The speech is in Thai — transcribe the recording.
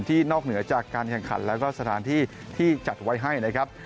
นอกเหนือจากการแข่งขันแล้วก็สถานที่ที่จัดไว้ให้นะครับ